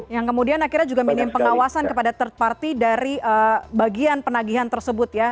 yang kemudian akhirnya juga minim pengawasan kepada third party dari bagian penagihan tersebut ya